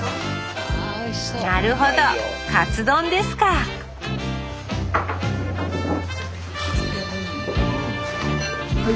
なるほどカツ丼ですかうん！